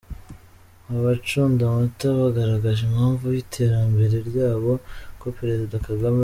Abacunda amata bagaragaje impamvu y’iterambere ryabo ko a Perezida Kagame.